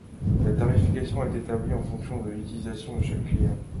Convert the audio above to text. La tarification est établie en fonction de l’utilisation de chaque client.